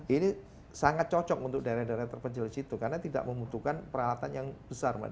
ini sangat cocok untuk daerah daerah terpencil di situ karena tidak membutuhkan peralatan yang besar